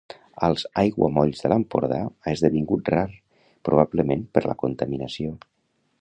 Als Aiguamolls de l'Empordà ha esdevingut rar, probablement per la contaminació.